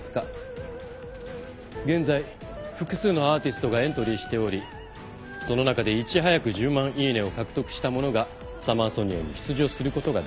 現在複数のアーティストがエントリーしておりその中でいち早く１０万イイネを獲得した者がサマーソニアに出場することができます。